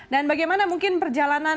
dan bagaimana mungkin perjalanan